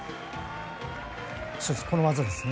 この技ですね。